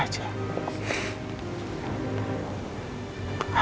aku baik baik aja